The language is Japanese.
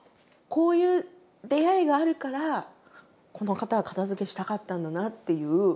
こういう出会いがあるからこの方は片づけしたかったんだなっていう結構そこにぐっとくる。